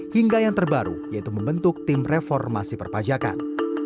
hingga yang terbaru yaitu membentuk tim reformasi perpajakan